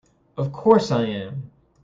Of course I am!